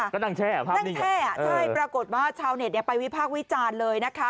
ก็นั่งแช่ภาพนั่งแช่ใช่ปรากฏว่าชาวเน็ตไปวิพากษ์วิจารณ์เลยนะคะ